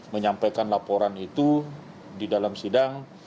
menyampaikan laporan itu di dalam sidang